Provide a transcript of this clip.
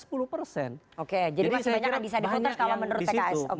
oke jadi masih banyak yang bisa diputer kalau menurut pks